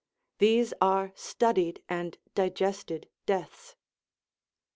These are studied and digested deaths.